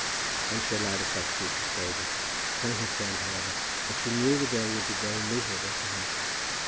Then she allowed herself to be persuaded, telling her friend, however, that she knew the day would be very miserable to her.